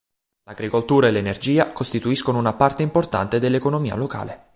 L'agricoltura e l'energia costituiscono una parte importante dell'economia locale.